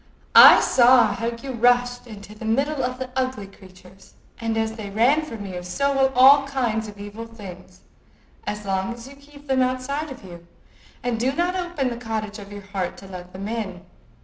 I saw how you rushed into the middle of the ugly creatures; and as they ran from you, so will all kinds of evil things, as long as you keep them outside of you, and do not open the cottage of your heart to let them in.